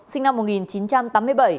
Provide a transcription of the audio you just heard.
sinh năm một nghìn chín trăm tám mươi bảy